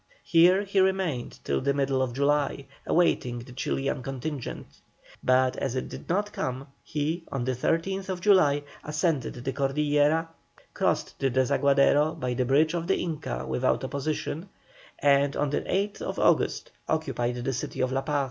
Here he remained till the middle of July, awaiting the Chilian contingent; but as it did not come he, on the 13th July, ascended the Cordillera, crossed the Desaguadero by the bridge of the Inca without opposition, and on the 8th August occupied the city of La Paz.